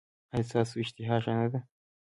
ایا ستاسو اشتها ښه نه ده؟